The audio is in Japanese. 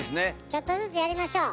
ちょっとずつやりましょう。